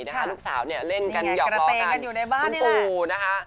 ลูกสาวเนี่ยเล่นกันอย่างเบอร์ก็เกลือเตงอยู่ในบ้าน